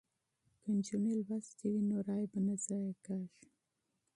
که نجونې باسواده وي نو رایې به یې ضایع نه وي.